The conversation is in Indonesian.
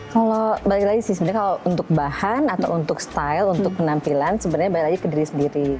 kalau balik lagi sih sebenarnya kalau untuk bahan atau untuk style untuk penampilan sebenarnya balik lagi ke diri sendiri